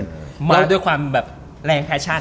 บ๊วยบ๊วยแล้วด้วยความแรงแฟชั่น